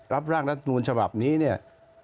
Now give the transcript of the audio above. ร่างรัฐมนูลฉบับนี้เนี่ย